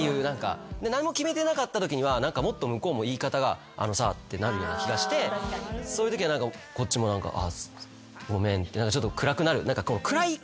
何も決めてなかったときにはもっと向こうも言い方が「あのさぁ」ってなるような気がしてそういうときはこっちも「ああごめん」ってちょっと暗くなる。